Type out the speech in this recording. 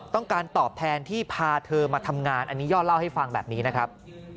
ต้องการตอบแทนที่พาเธอมาทำงานอันนี้ยอดเล่าให้ฟังแบบนี้นะครับ